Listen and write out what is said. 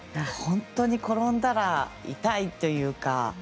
本当に転んだら痛いというか。